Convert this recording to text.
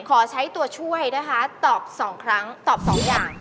ขอใช้ตัวช่วยนะคะตอบ๒อย่าง